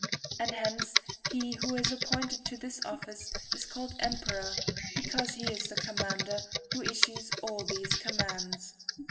And hence he who is appointed to this office is called emperor because he is the commander who issues all the commands.